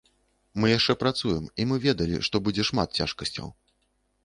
Мы яшчэ працуем, і мы ведалі, што будзе шмат цяжкасцяў.